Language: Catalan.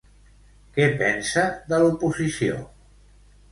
Què pensa de l'oposició?